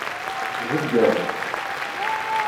Jegger.